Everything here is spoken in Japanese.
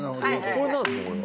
これ何すか？